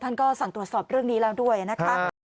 ท่านก็สั่งตรวจสอบเรื่องนี้แล้วด้วยนะคะ